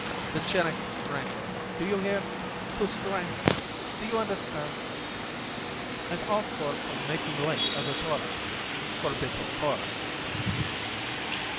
"Then Cheneck â€" strangling! Do you hear? To strangle! Do you understand? And all four for making light of the Torah ! For Bittul Torah